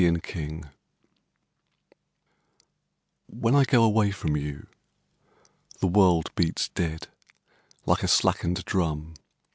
The Taxi When I go away from you The world beats dead Like a slackened drum.